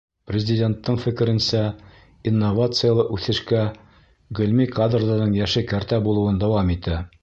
Президенттың фекеренсә, инновациялы үҫешкә ғилми кадрҙарҙың йәше кәртә булыуын дауам итә.